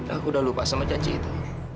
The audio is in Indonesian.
aku udah lupa sama janji itu